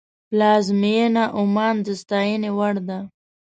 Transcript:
پلازمینه عمان د ستاینې وړ ده.